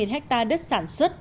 tám mươi ba ha đất sản xuất